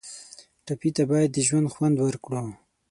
ټپي ته باید د ژوند خوند ورکړو.